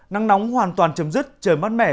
nắng nóng hoàn toàn chấm dứt trời mát mẻ